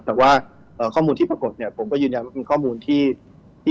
แต่ว่าข้อมูลที่ปรากฏเนี่ยผมก็ยืนยันว่าเป็นข้อมูลที่